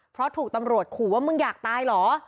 เพราะถูกตำรวจขู่ว่ามึงอยากตายเหรอ